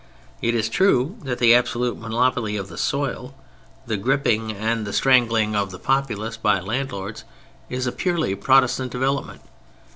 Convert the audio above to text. It is true that the absolute monopoly of the soil, the gripping and the strangling of the populace by landlords, is a purely Protestant development.